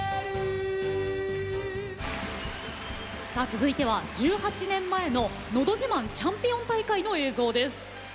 続いては１８年前の「のど自慢」チャンピオン大会の映像です。